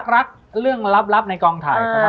รักเรื่องรับในกองถ่าย